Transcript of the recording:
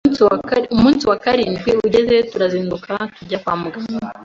Umusi wa karindwi ugeze turazinduka tujya kwa muganga